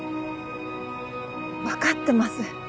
わかってます。